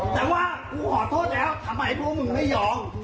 แต่ว่ากูขอโทษแล้วทำไมพวกมึงไม่ยอม